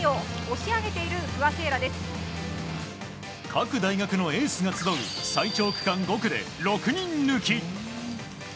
各大学のエースが集う最長区間５区で６人抜き。